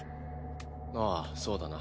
ああそうだな。